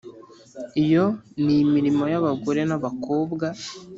iyo ni imirimo y’abagore n’abakobwa.